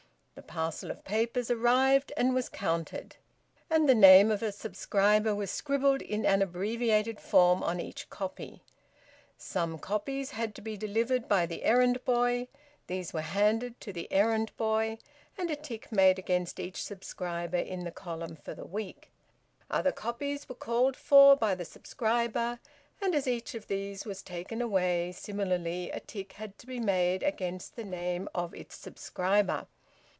The parcel of papers arrived and was counted, and the name of a subscriber scribbled in an abbreviated form on each copy. Some copies had to be delivered by the errand boy; these were handed to the errand boy, and a tick made against each subscriber in the column for the week: other copies were called for by the subscriber, and as each of these was taken away, similarly a tick had to be made against the name of its subscriber.